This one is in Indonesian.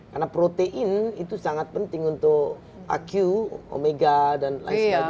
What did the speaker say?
karena protein itu sangat penting untuk aque omega dan lain sebagainya